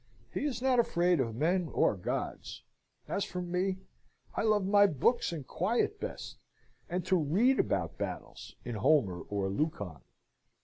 He is not afraid of men or gods. As for me, I love my books and quiet best, and to read about battles in Homer or Lucan."